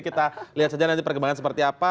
kita lihat saja nanti perkembangan seperti apa